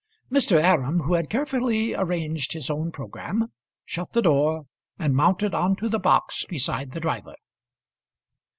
Mr. Aram, who had carefully arranged his own programme, shut the door, and mounted on to the box beside the driver.